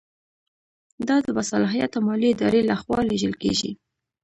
دا د باصلاحیته مالي ادارې له خوا لیږل کیږي.